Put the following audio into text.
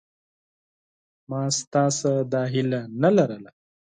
ما ستا څخه دا هیله نه درلوده